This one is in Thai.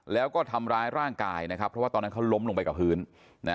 แล้วก็ทำร้ายร่างกายนะครับเพราะว่าตอนนั้นเขาล้มลงไปกับพื้นนะ